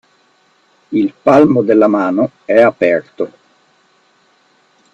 Il palmo della mano è aperto.